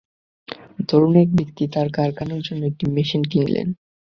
ধরুন কোন এক ব্যক্তি তার কারখানার জন্য একটি মেশিন কিনলেন।